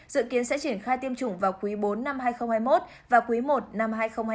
dự kiến sẽ triển khai tiêm chủng vào quý bốn năm hai nghìn hai mươi một và quý i năm hai nghìn hai mươi bốn